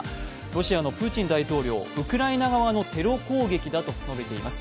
ロシアのプーチン大統領ウクライナ側のテロ攻撃だと述べています。